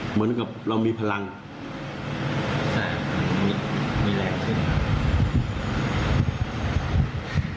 เหมือนกับเรามีพลังแต่มีแรงขึ้นครับ